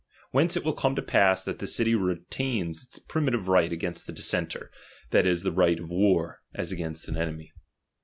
Whence it will come to pass, that the city retains its primi tive right against the dissenter ; that is, the right of war, as against an enemy.